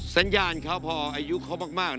สัญญาณเขาพออายุเขามาก